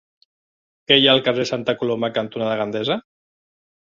Què hi ha al carrer Santa Coloma cantonada Gandesa?